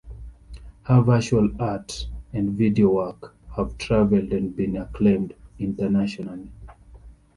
Her visual art and video work have traveled and been acclaimed internationally.